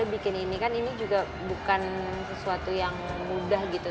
waktu pertama kali bikin ini kan ini juga bukan sesuatu yang mudah gitu